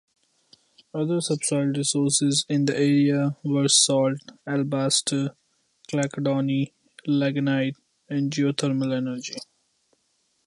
Other subsoil resources in the area were salt, alabaster, chalcedony, lignite and geothermal energy.